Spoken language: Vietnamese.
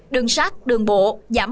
đường sát đường bộ giảm hai mươi